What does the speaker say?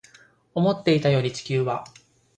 思っていたより地球は